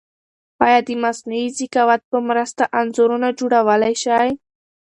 ایا د مصنوعي ذکاوت په مرسته انځورونه جوړولای شئ؟